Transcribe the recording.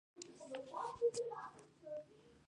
ازادي راډیو د د اوبو منابع په اړه پرله پسې خبرونه خپاره کړي.